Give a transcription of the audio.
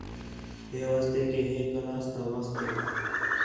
ہے واسطے کہ ہے کلاس تا وخت ہے